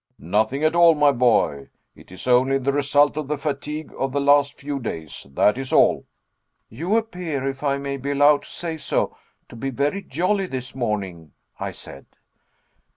"Nothing at all, my boy. It is only the result of the fatigue of the last few days that is all." "You appear if I may be allowed to say so to be very jolly this morning," I said.